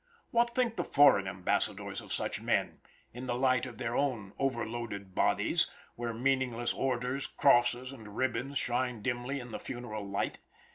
What think the foreign ambassadors of such men, in the light of their own overloaded bodies, where meaningless orders, crosses, and ribbons shine dimly in the funeral light?